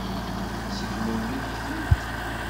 Tseggmem-iyi-tent.